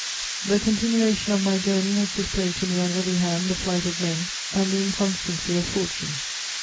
"The continuation of my journey has displayed to me on every hand the flight of men and the inconstancy of fortune.